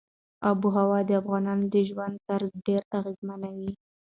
آب وهوا د افغانانو د ژوند طرز ډېر اغېزمنوي.